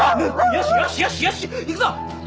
よしよしよしよし行くぞ。